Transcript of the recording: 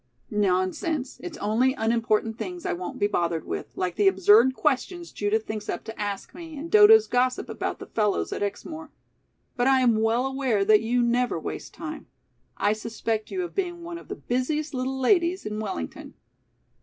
"Nonsense! It's only unimportant things I won't be bothered with, like the absurd questions Judith thinks up to ask me and Dodo's gossip about the fellows at Exmoor. But I am well aware that you never waste time. I suspect you of being one of the busiest little ladies in Wellington."